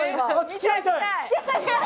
付き合いたい！